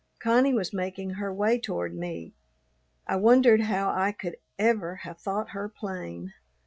Connie was making her way toward me. I wondered how I could ever have thought her plain.